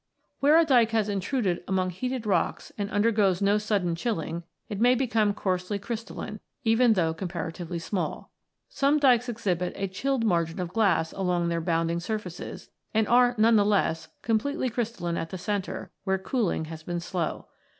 Where a dyke has intruded among heated rocks and undergoes no sudden chilling, it may become coarsely crystalline, even though comparatively small. Some dykes exhibit a chilled margin of glass along their bounding surfaces, and are none the less com 'pletely crystalline at the centre, where cooling has been slow.